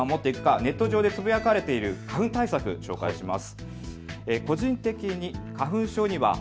ネット上でつぶやかれている花粉対策をご紹介します。